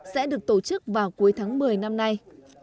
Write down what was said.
sẽ được tổ chức vào cuối tháng một mươi năm nay